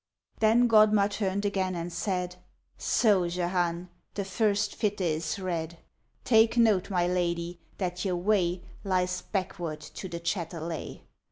Then Godmar turn'd again and said: So, Jehane, the first fitte is read! Take note, my lady, that your way Lies backward to the Chatelet!